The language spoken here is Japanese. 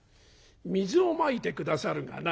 水をまいて下さるがな